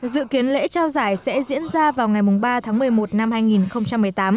dự kiến lễ trao giải sẽ diễn ra vào ngày ba tháng một mươi một năm hai nghìn một mươi tám